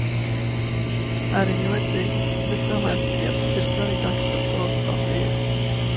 Arī jocīgi, bet tomēr ziepes ir svarīgākas par tualetes papīru.